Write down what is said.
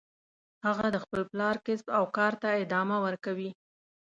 هغه د خپل پلار کسب او کار ته ادامه ورکوي